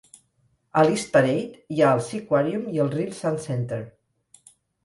A l'East Parade hi ha el SeaQuarium i el Rhyl Suncentre.